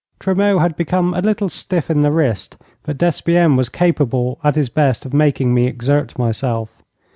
Tremeau had become a little stiff in the wrist, but Despienne was capable at his best of making me exert myself.